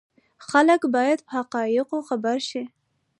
خلک باید په حقایقو خبر شي.